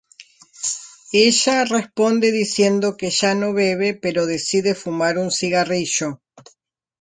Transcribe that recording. Ella responde diciendo que ya no bebe, pero decide fumar un cigarrillo.